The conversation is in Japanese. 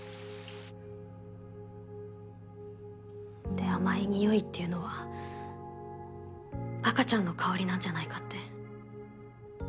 で「甘い匂い」っていうのは赤ちゃんの香りなんじゃないかって。